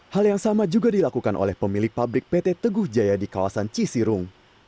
hal yang sama juga dilakukan oleh pemilik pabrik pt teguh jaya di kawasan cisirung